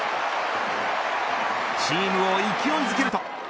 チームを勢いづけると。